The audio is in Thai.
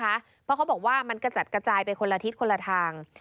เพราะเขาบอกว่ามันกระจัดกระจายไปคนละทิศคนละทาง